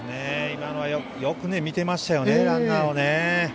今のは、よく見てましたランナーをね。